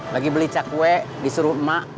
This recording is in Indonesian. lagi beli cakwe disuruh emak